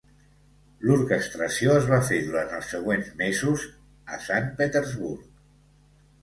L'orquestració es va fer durant els següents mesos a Sant Petersburg.